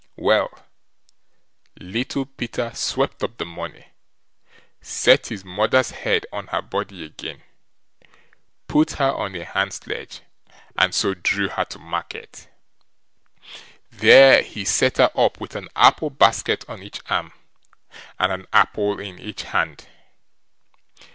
Well, Little Peter swept up the money; set his mother's head on her body again; put her on a hand sledge, and so drew her to market. There he set her up with an apple basket on each arm, and an apple in each hand.